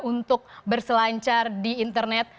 untuk berselancar di internet